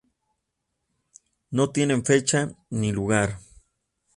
No tiene fecha ni lugar.